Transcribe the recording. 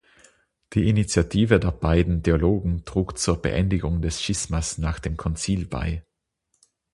Die Initiative der beiden Theologen trug zur Beendigung des Schismas nach dem Konzil bei.